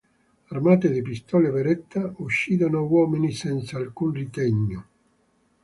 Armate di pistole Beretta, uccidono uomini senza alcun ritegno.